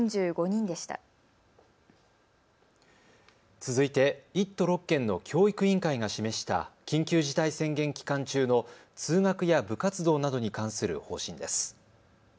続いて１都６県の教育委員会が示した緊急事態宣言期間中の通学や部活動などに関する方針です。